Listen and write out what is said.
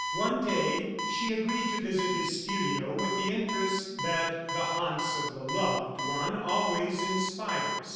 One day she agreed to visit his studio with the interest that the haunts of the loved one always inspires.